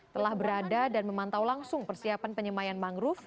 telah berada dan memantau langsung persiapan penyemayan mangrove